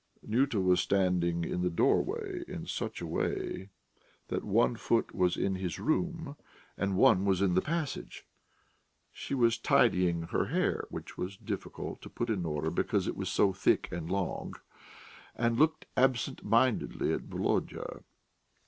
Nyuta was standing in the doorway in such a way that one foot was in his room and one was in the passage. She was tidying her hair, which was difficult to put in order because it was so thick and long, and looked absent mindedly at Volodya.